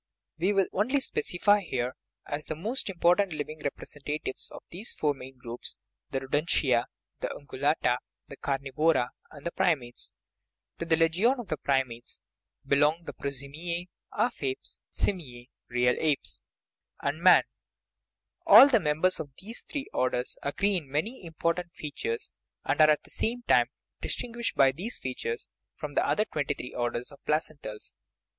We will only specify here, as the most important living representatives of these four main groups, the rodentia, the ungulata, the carnivora, and the primates. To the legion of the primates be long the prosimise (half apes), the simiae (real apes), and man. All the members of these three orders agree in many important features, and are at the same time distinguished by these features from the other twenty three orders of placentals.